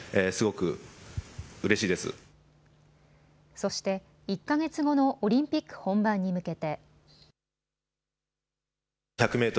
そして１か月後のオリンピック本番に向けて。